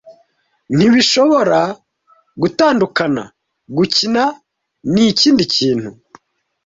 Ntibishobora gutandukana. "Gukina" ni ikindi kintu;